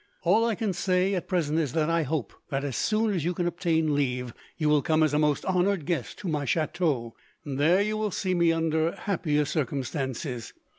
All I can say at present is that I hope that, as soon as you can obtain leave, you will come as a most honoured guest to my chateau. There you will see me under happier circumstances.